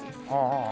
ああ。